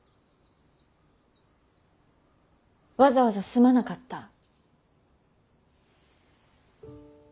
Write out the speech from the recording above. わざわざすまなかった。